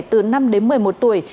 từ năm đến một mươi một tuổi